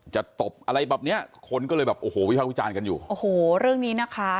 ตบอะไรแบบเนี้ยคนก็เลยแบบโอ้โหวิภาควิจารณ์กันอยู่โอ้โหเรื่องนี้นะคะ